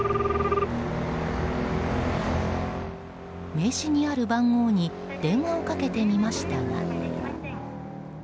名刺にある番号に電話をかけてみましたが。